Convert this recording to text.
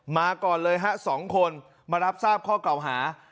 มาก่อนเลยฮะ๒คนมารับทราบข้อเก่าหา